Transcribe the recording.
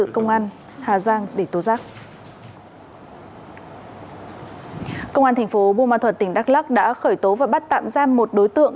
công an thành phố buôn ma thuật tỉnh đắk lắc đã khởi tố và bắt tạm giam một đối tượng